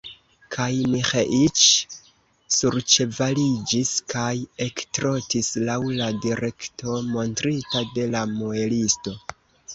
Kaj Miĥeiĉ surĉevaliĝis kaj ektrotis laŭ la direkto, montrita de la muelisto.